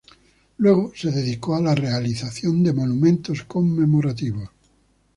Luego se dedicó a la realización de monumentos conmemorativos.